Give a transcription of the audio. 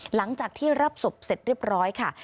หลังจากที่รับศพเสร็จเรียบร้อยค่ะ